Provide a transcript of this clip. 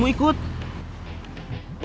lapa kelapa kelapa